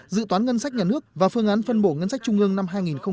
dự toán ngân sách nhà nước và phương án phân bổ ngân sách trung ương năm hai nghìn hai mươi